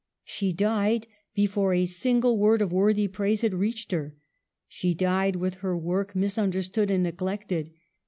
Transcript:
She died, before a single word of worthy praise had reached her. She died with her work mis understood and neglected.